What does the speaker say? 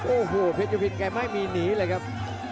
โอ้โหเพชรยุพินแกไม่มีหนีเลยครับ